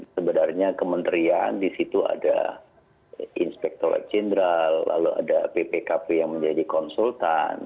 sebenarnya kementerian disitu ada inspektor general lalu ada ppkp yang menjadi konsultan